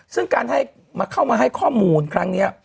ซึ่งการเข้ามาให้ข้อมูลครั้งนี้